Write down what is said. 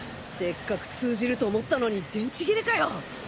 せっかく通じると思ったのに電池切れかよ！